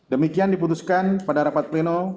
demikian diputuskan pada rapat pleno